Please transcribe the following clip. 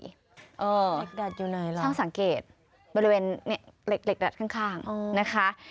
เหล็กดัดอยู่ไหนล่ะช่างสังเกตบริเวณเหล็กดัดข้างนะคะ